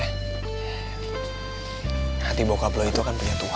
nanti bokap lo itu akan punya tuhan